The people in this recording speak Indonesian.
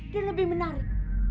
dan lebih menarik